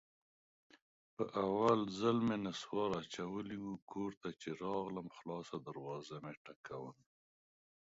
په اول ځل مې نصوار اچولي وو، کور ته چې راغلم خلاصه دروازه مې ټکوله.